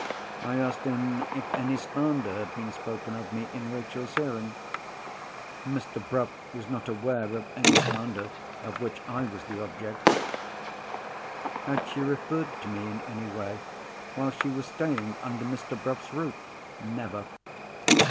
I asked him if any slander had been spoken of me in Rachel's hearing. Mr. Bruff was not aware of any slander of which I was the object. Had she referred to me in any way while she was staying under Mr. Bruff's roof? Never.